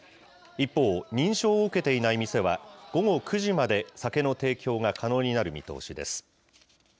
一方、認証を受けていない店は、午後９時まで酒の提供が可能になる見通しです。